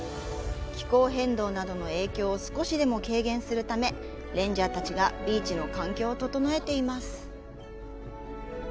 気候変動などの影響を少しでも軽減するためレンジャーたちがビーチの環境を整えています。